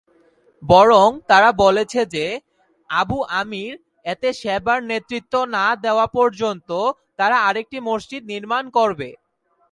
বরং তারা বলেছে যে আবু আমির এতে সেবার নেতৃত্ব না দেওয়া পর্যন্ত তারা আরেকটি মসজিদ নির্মাণ করবে।